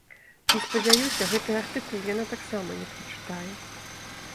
І спадзяюся, гэты артыкул яна таксама не прачытае.